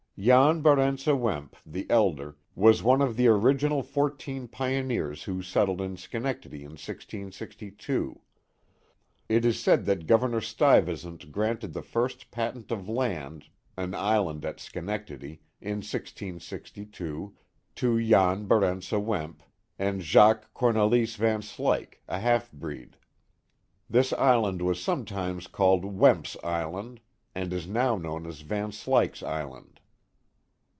Jan Barentse Wemp, the elder, was one of the original fourteen pioneers who settled in Schenectady in 1662. It is said that Governor Stuyvesant granted the first patent of land (an island at Schenectady) in 1662, to Jan Barentse Wemp and Jacques Cornelise Van Slyck, a half breed. This island was sometimes called Wemp*s Island, and is now known as Van Slyck's Island.